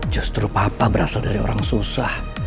justru papa berasal dari orang susah